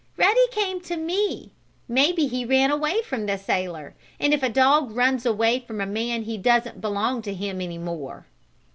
Ruddy came to me. Maybe he ran away from the sailor. And if a dog runs away from a man he doesn't belong to him any more."